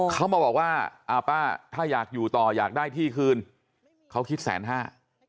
เขามาบอกว่าอ่าป้าถ้าอยากอยู่ต่ออยากได้ที่คืนเขาคิดแสนห้า